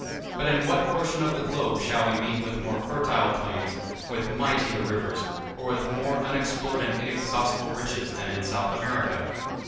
But in what portion of the globe shall we meet with more fertile plains, with mightier rivers, or with more unexplored and inexhaustible riches than in South America?